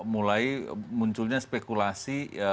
mulai munculnya spekulasi